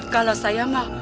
kalau saya mah